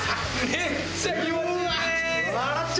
めっちゃ気持ちいい！